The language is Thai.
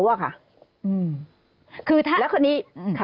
แล้วคนนี้